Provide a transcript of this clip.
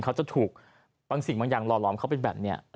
เขาจะถูกบางสิ่งบางอย่างหล่อล้อมเขาเป็นแบบนี้